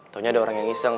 tahu ada orang yang iseng